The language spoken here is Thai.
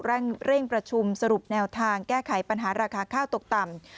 เร่งประชุมสรุปแนวทางแก้ไขปัญหาราคาข้าวตกต่ำ